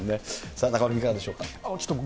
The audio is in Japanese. さあ中丸君、いかがでしょうか。